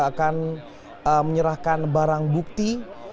akan menyerahkan barang bukti